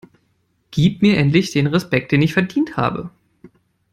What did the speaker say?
Gib mir endlich den Respekt den ich verdient habe!